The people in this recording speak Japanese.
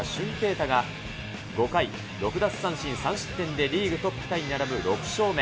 大が５回、６奪三振３失点でリーグトップタイに並ぶ６勝目。